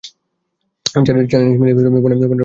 চার ইনিংস মিলিয়ে পনেরো উইকেট দখল করেছিলেন তিনি।